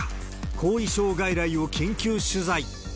後遺症外来を緊急取材。